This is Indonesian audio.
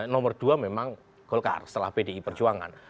nomor dua memang golkar setelah pdi perjuangan